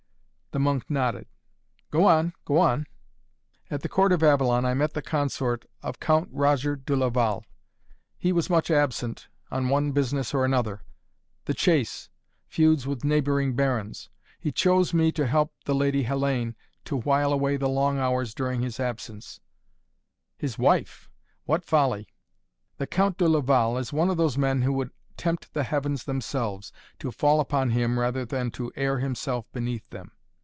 The monk nodded. "Go on go on!" "At the court of Avalon I met the consort of Count Roger de Laval. He was much absent, on one business or another, the chase feuds with neighboring barons. He chose me to help the Lady Hellayne to while away the long hours during his absence " "His wife! What folly!" "The Count de Laval is one of those men who would tempt the heavens themselves to fall upon him rather than to air himself beneath them.